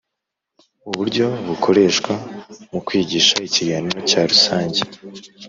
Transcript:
Uburyo bukoreshwa mu kwigisha Ikiganiro cya rusange